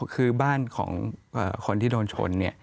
คือบ้านของคนที่โดนชน